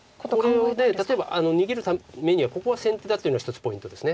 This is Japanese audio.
これを例えば逃げるためにはここが先手だというのは一つポイントです。